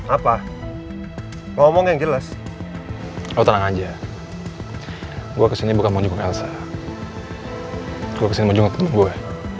apa ngomong yang jelas oh tenang aja gue kesini bukan mau jenguk elsa gue kesini mau jenguk temen gue